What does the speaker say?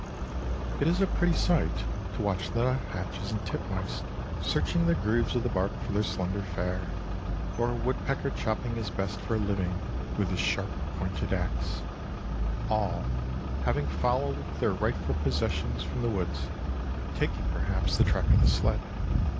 It is a pretty sight to watch the nuthatches and titmice searching the grooves of the bark for their slender fare, or a woodpecker chopping his best for a living with his sharp pointed axe, all having followed their rightful possessions from the woods, taking perhaps the track of the sled.